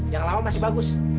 jangan lama masih bagus